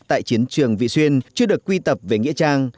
tại chiến trường vị xuyên chưa được quy tập về nghĩa trang